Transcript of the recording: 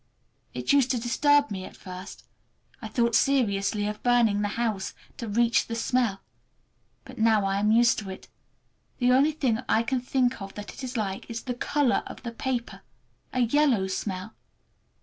It used to disturb me at first. I thought seriously of burning the house—to reach the smell. But now I am used to it. The only thing I can think of that it is like is the color of the paper! A yellow smell.